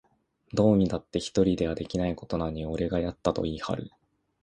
どう見たって一人ではできないことなのに、俺がやったと言いはる